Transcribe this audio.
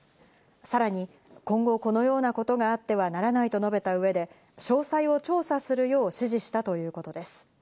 さらに今後このようなことがあってはならないと述べた上で、詳細を調査するよう指示したということです。